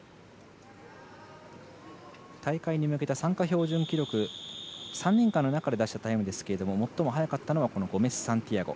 大会に向けた参加標準記録３年間の中で出したタイムですけれども最も早かったのがゴメスサンティアゴ。